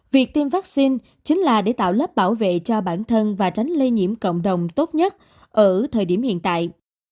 việc tiêm vaccine chính là để tạo lớp bảo vệ cho bản thân và tránh lây nhiễm cộng đồng tốt nhất ở thời điểm hiện tại